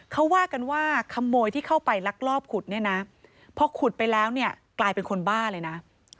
เขาว่ากันว่าขโมยที่เข้าไปลักลอบขุดเนี่ยนะพอขุดไปแล้วเนี่ยกลายเป็นคนบ้าเลยนะ